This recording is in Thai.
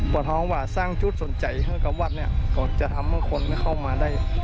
ปวดฮ๊อตว่าสร้างจุดสนใจเฮือนกับวัดเนี่ยก็จะทำเพราะคนไม่เข้ามาได้